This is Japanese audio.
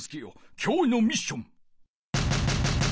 今日のミッション！